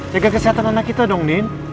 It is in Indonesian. jaga kesehatan anak kita dong nin